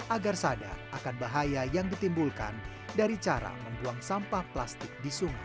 agar sadar akan bahaya yang ditimbulkan dari cara membuang sampah plastik di sungai